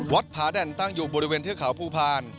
วัดพาแด่นตั้งอยู่บริเวณเทือขาวภูพาร